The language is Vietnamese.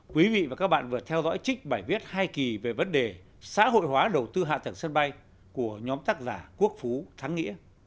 quý vị và các bạn vừa theo dõi trích bài viết hai kỳ về vấn đề xã hội hóa đầu tư hạ tầng sân bay của nhóm tác giả quốc phú thắng nghĩa